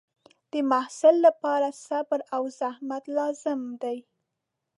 د محصل لپاره صبر او زحمت لازم دی.